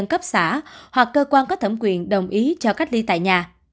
cấp xã hoặc cơ quan có thẩm quyền đồng ý cho cách ly tại nhà